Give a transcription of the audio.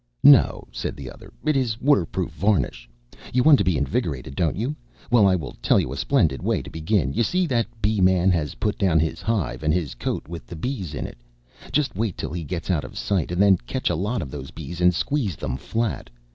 "No," said the other, "it is water proof varnish. You want to be invigorated, don't you? Well, I will tell you a splendid way to begin. You see that Bee man has put down his hive and his coat with the bees in it. Just wait till he gets out of sight, and then catch a lot of those bees, and squeeze them flat.